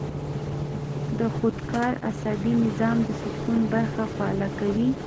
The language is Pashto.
د خودکار اعصابي نظام د سکون برخه فعاله کوي -